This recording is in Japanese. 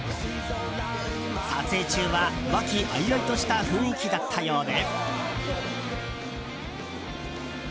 撮影中は和気あいあいとした雰囲気だったようで。